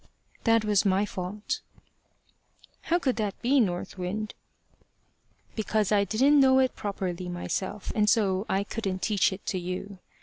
"That was my fault." "How could that be, North Wind?" "Because I didn't know it properly myself, and so I couldn't teach it to you.